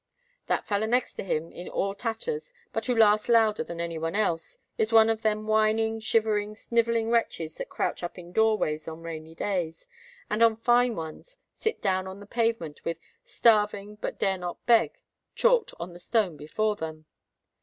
That feller next to him, all in tatters, but who laughs louder than any one else, is one of them whining, shivering, snivelling wretches that crouch up in doorways on rainy days, and on fine ones sit down on the pavement with 'Starving, but dare not beg,' chalked on the stone before them.